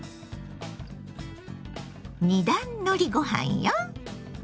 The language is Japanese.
二段のりご飯よ。